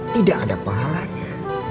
tidak ada pahalanya